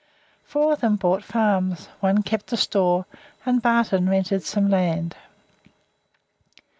Four of them bought farms, one kept a store, and Barton rented some land.